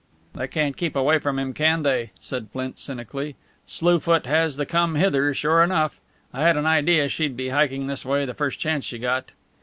"They can't keep away from him, can they?" said Flint, cynically. "Slue Foot has the come hither, sure enough. I had an idea she'd be hiking this way the first chance she got."